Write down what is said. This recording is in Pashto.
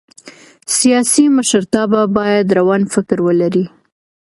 سیاسي مشرتابه باید روڼ فکر ولري